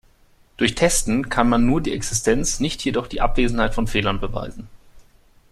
Durch Testen kann man nur die Existenz, nicht jedoch die Abwesenheit von Fehlern beweisen.